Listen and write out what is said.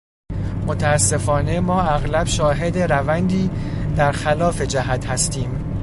متاسفانه ما اغلب شاهد روندی در خلاف جهت هستیم